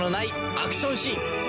アクションシーン